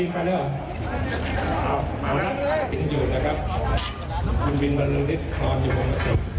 คุณบินอยู่นะครับคุณบินบรรลุฤทธิ์คลอนอยู่บริษฐศิลป์